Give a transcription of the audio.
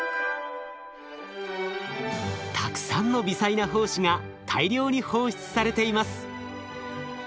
たくさんの微細な胞子が大量に放出されています。